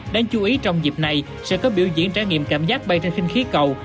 đáng chú ý trong dịp này sẽ có biểu diễn trải nghiệm cảm giác bay trên khinh khí cầu